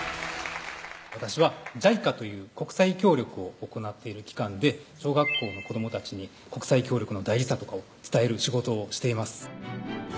私はＪＩＣＡという国際協力を行っている機関で小学校の子どもたちに国際協力の大事さとかを伝える仕事をしています